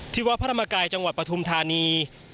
วัดพระธรรมกายจังหวัดปฐุมธานี